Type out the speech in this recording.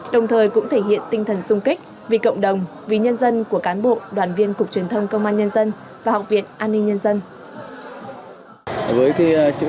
đồng thời cũng thể hiện các bệnh nhân có thể hiến máu tỉnh nguyện